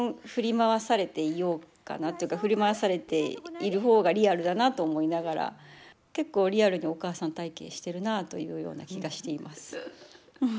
基本振り回されている方がリアルだなと思いながら結構リアルにお母さん体験してるなというような気がしています。